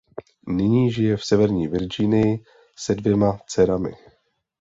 Nyní žije v severní Virginii se dvěma dcerami.